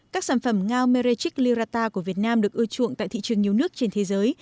các sản phẩm ngao merechik lirata của việt nam được ưa chuộng tại thị trường nhiều nước trên thế giới